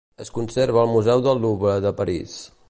Es conserva al Museu del Louvre de París.